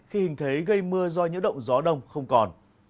khi hình thế gây mưa do nhiễu động gió đông không còn